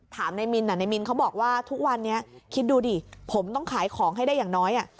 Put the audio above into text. ถามนายมินนายมินเขาบอกว่าทุกวันนี้คิดดูดิผมต้องขายของให้ได้อย่างน้อย